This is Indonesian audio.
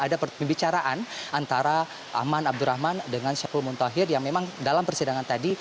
ada pembicaraan antara ahmad abdurrahman dengan saiful muntohir yang memang dalam persidangan tadi